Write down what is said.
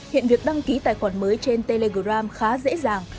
hiện việc đăng ký tài khoản mới trên telegram khá dễ dàng